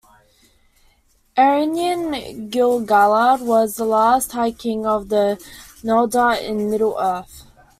Ereinion Gil-galad was the last High King of the Noldor in Middle-earth.